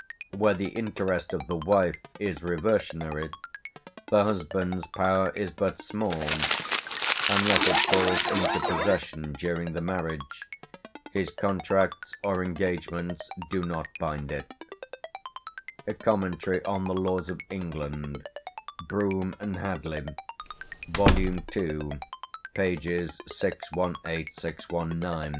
Where the interest of the wife is reversionary, the husband's power is but small; unless it falls into possession during the marriage, his contracts or engagements do not bind it" ("Comm, on the Laws of England," Broom and Hadley, vol. ii., pp. 618, 619).